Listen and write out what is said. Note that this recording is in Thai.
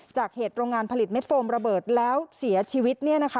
จากเหตุโรงงานผลิตเม็ดโฟมระเบิดแล้วเสียชีวิต